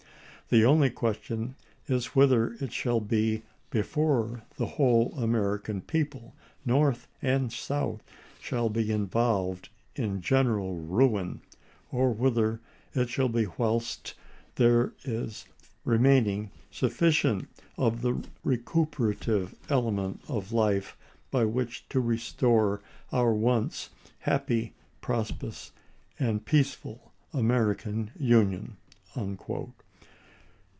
The only question is whether it shall be before the whole American people, North and South, shall be involved in general ruin, or whether it shall be whilst there is remaining sufficient of the recuper ative element of life by which to restore our once to LhSoin, happy, prosperous, and peaceful American Union." lsel?' ms.